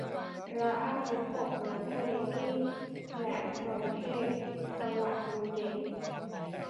พระอาทิตย์ตกน้ำทะเลที่แหลมพรหมเทพ จังหวัดภูเก็ต